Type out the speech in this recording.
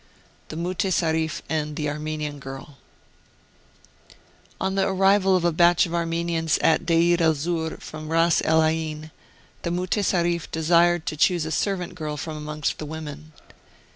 *... THE MUTESARRIF AND THE ARMENIAN GlRL. On the arrival of a batch of Armenians at Deir el Zur from Ras el Ain, the Mutesarrif desired to choose a servant girl from amongst the women.